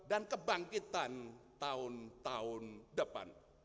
dan kebangkitan tahun tahun depan